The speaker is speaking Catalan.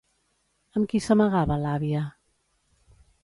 Amb qui s'amagava l'àvia?